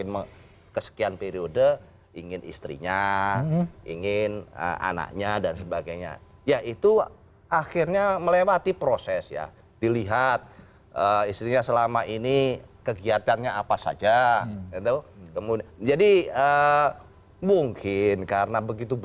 maju akan maju begitu